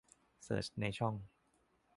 เสิร์ชในช่อง